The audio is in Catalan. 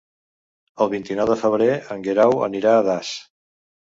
El vint-i-nou de febrer en Guerau anirà a Das.